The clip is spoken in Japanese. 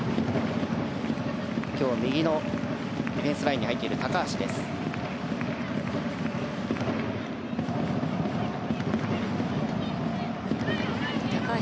今日は右のディフェンスラインに入っている高橋。